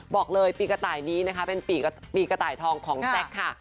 บอกเลยปีกระต่ายนี้นะคะเป็นปีกระต่ายทองของแซคค่ะ